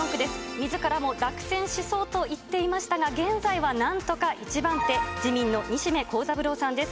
みずからも落選しそうと言っていましたが、現在はなんとか１番手、自民の西銘恒三郎さんです。